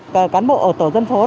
các cán bộ ở tổ dân phố